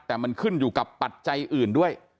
แต่มันขึ้นอยู่กับปัจจัยอื่นด้วย